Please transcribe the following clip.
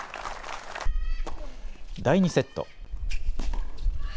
第２セット。